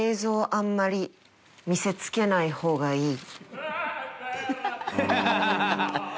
あんまり見せつけない方がいい。